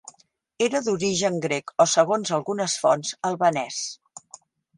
Era d'origen grec o segons algunes fonts albanès.